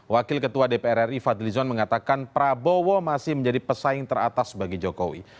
wakil ketua dpr ri fadlizon mengatakan prabowo masih menjadi pesaing teratas bagi jokowi